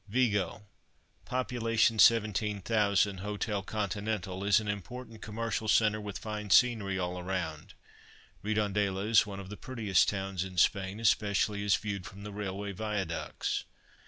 VIGO (pop. 17,000; hotel, Continental) is an important commercial centre with fine scenery all round. REDONDELA is one of the prettiest towns in Spain, especially as viewed from the railway viaducts.